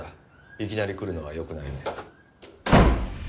いきなり来るのはよくないね。